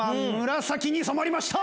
紫に染まりました！